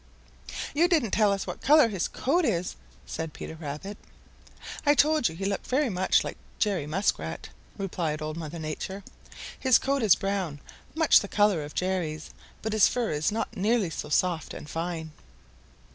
"You didn't tell us what color his coat is," said Peter Rabbit. "I told you he looked very much like Jerry Muskrat," replied Old Mother Nature. "His coat is brown, much the color of Jerry's, but his fur is not nearly so soft and fine."